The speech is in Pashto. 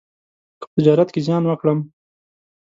که په تجارت کې زیان وکړم،